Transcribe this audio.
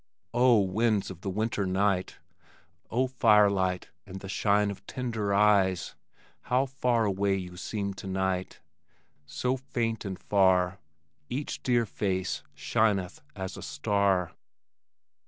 Oh, winds of the winter night! Oh, firelight and the shine of tender eyes! How far away you seem tonight! So faint and far, Each dear face shineth as a star.